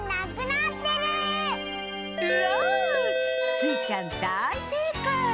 スイちゃんだいせいかい！